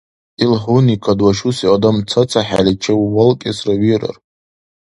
Ил гьуникад вашуси адам цацахӀели чеввалкӀесра вирар?